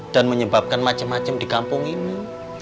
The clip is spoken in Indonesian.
dan menyebabkan macam macam di kampung ini